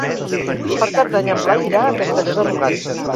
Per Cap d'Any en Blai irà a Castelló de Rugat.